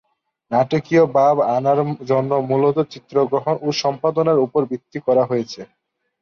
নাটকীয় ভাব আনার জন্য মূলত চিত্রগ্রহণ ও সম্পাদনার উপর নির্ভর করা হয়েছে।